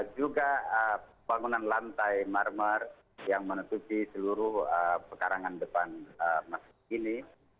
juga bangunan lantai marmer yang menutupi seluruh pekarangan depan masjid ini